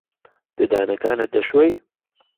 ددانەکانت دەشۆی؟